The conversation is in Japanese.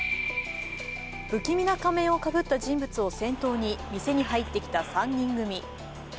不気味な仮面をかぶった人物を先頭に店に入ってきた３人組。